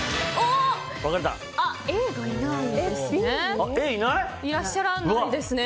Ａがいないですね。